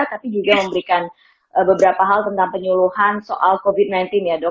tapi juga memberikan beberapa hal tentang penyuluhan soal covid sembilan belas ya dok